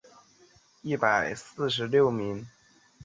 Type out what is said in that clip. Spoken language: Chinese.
殿试登进士第三甲第一百四十六名。